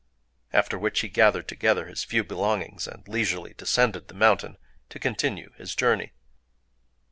After which he gathered together his few belongings, and leisurely descended the mountain to continue his journey.